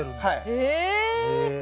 へえ。